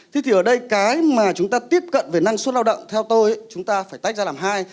thế thì ở đây cái mà chúng ta tiếp cận về năng suất lao động theo tôi chúng ta phải tách ra làm hai